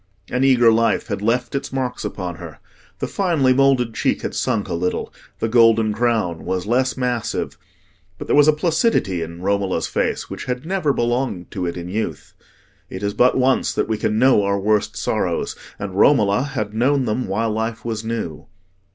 An eager life had left its marks upon her: the finely moulded cheek had sunk a little, the golden crown was less massive; but there was a placidity in Romola's face which had never belonged to it in youth. It is but once that we can know our worst sorrows, and Romola had known them while life was new.